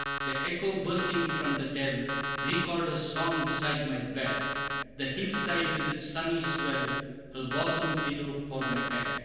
The echo bursting from the dell, Recalled her song beside my bed; The hill side with its sunny swell, Her bosom pillow for my head.